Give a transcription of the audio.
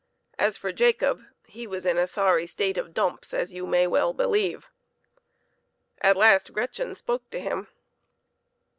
As for Jacob, he was in a sorry state of dumps, as you may well believe. At last Gretchen spoke to him.